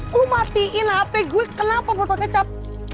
lu matiin hp gue kenapa botol kecap